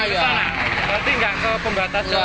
berarti gak ke pembatas jalan